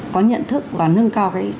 có nhận thức và nâng cao cái